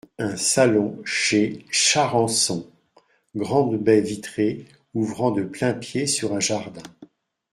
Un salon chez Charançon, — Grande baie vitrée, ouvrant de plain-pied sur un jardin.